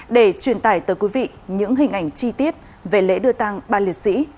để truyền tải tới quý vị những hình ảnh chi tiết về lễ đưa tăng ba liệt sĩ